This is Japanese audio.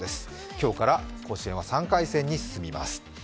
今日から甲子園は３回戦に進みます